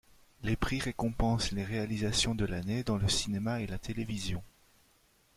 Les prix récompensent les réalisations de l'année dans le cinéma et la télévision.